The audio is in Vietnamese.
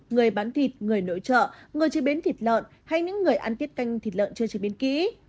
người bán thịt người nội trợ người chế biến thịt lợn hay những người ăn tiết canh thịt lợn chưa chế biến kỹ